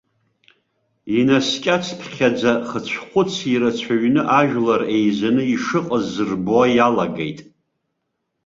Инаскьацыԥхьаӡа хыцәхәыц ирацәаҩны ажәлар еизаны ишыҟаз рбо иалагеит.